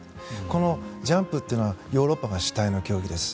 このジャンプというのはヨーロッパが主体の競技です。